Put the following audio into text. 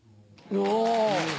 お。